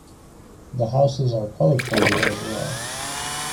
The houses are colour-coded as well.